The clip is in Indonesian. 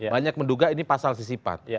banyak menduga ini pasal sisipat